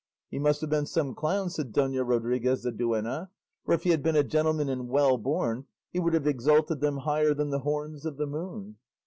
"He must have been some clown," said Dona Rodriguez the duenna; "for if he had been a gentleman and well born he would have exalted them higher than the horns of the moon."